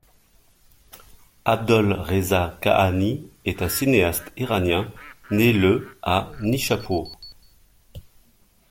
Abdolreza kahani est un cinéaste Iranien, né le à Nishapur.